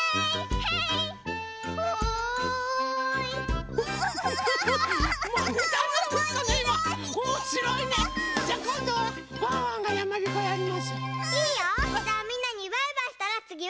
はい！